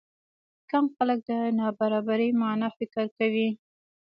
کم خلک د نابرابرۍ معنی فکر کوي.